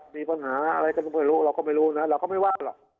มีปัญหาเราก็ไม่รู้เราก็ไม่ว่าหรอ